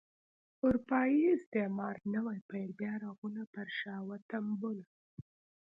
اروپايي استعمار نوي پیل بیا رغونه پر شا وتمبوله.